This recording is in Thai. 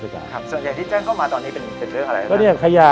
ส่วนใหญ่ที่แจ้งเข้ามาตอนนี้เป็นเกี่ยวกับอะไร